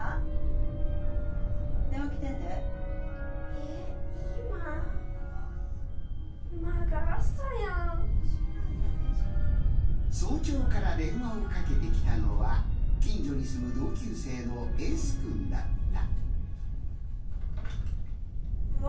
えっ早朝から電話をかけてきたのは近所に住む同級生のＳ君だった。